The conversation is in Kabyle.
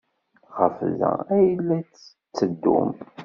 Ɣer da ay la d-tetteddum?